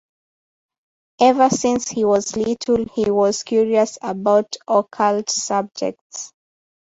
Ever since he was little he was curious about occult subjects.